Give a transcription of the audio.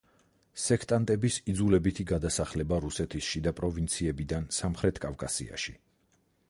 სექტანტების იძულებითი გადასახლება რუსეთის შიდა პროვინციებიდან სამხრეთ კავკასიაში.